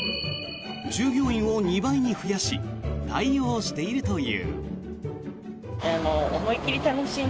従業員を２倍に増やし対応しているという。